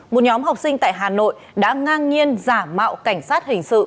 một nhóm học sinh tại hà nội đã ngang nhiên giả mạo cảnh sát hình sự